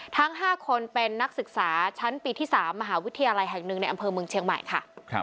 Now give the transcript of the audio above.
ทั้ง๕คนเป็นนักศึกษาชั้นปีที่๓มหาวิทยาลัยแห่งหนึ่งในอำเภอเมืองเชียงใหม่ค่ะ